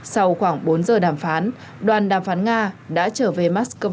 sau khoảng bốn giờ đàm phán đoàn đàm phán nga đã trở về moscow